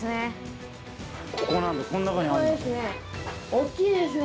大きいですね！